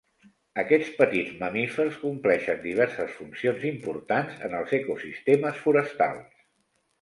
Aquests petits mamífers compleixen diverses funcions importants en els ecosistemes forestals.